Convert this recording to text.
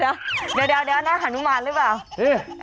เดี๋ยวหันุมานรึเปล่า